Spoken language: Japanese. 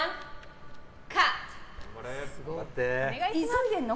急いでるの？